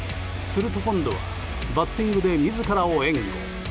すると今度はバッティングで自らを援護。